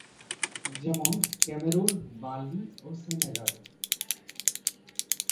যেমন, Cameroon, Mali ও Senegal.